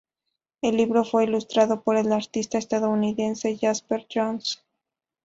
El libro fue ilustrado por el artista estadounidense Jasper Johns.